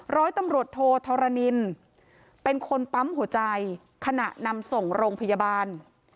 ร้อยตำรวจโทธรณินเป็นคนปั๊มหัวใจขณะนำส่งโรงพยาบาล